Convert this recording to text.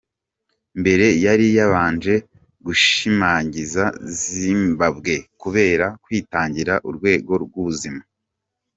Mbere yari yabanje gushimagiza Zimbabwe kubera kwitangira urwego rw'ubuzima.